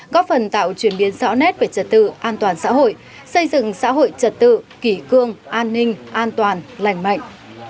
góp phần tạo chuyển biến rõ nét về trật tự an toàn xã hội xây dựng xã hội trật tự kỷ cương an ninh an toàn lành mạnh